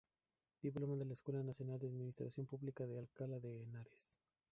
Diploma de la Escuela Nacional de Administración Pública de Alcalá de Henares.